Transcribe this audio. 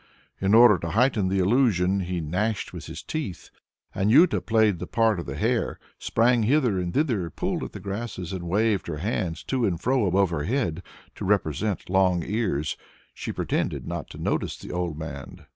In order to heighten the illusion, he gnashed with his teeth. Anjuta played the part of the hare, sprang hither and thither, pulled at the grasses, and waved her hands to and fro above her head, to represent long ears. She pretended not to notice the old man.